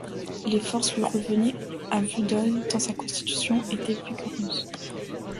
Les forces lui revenaient à vue d’œil, tant sa constitution était vigoureuse